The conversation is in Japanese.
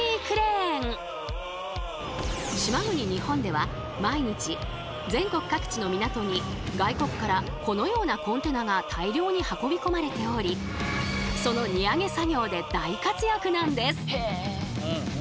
島国日本では毎日全国各地の港に外国からこのようなコンテナが大量に運び込まれておりその荷揚げ作業で大活躍なんです！